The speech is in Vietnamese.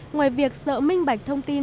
ngoài việc sợ minh bạch thông tin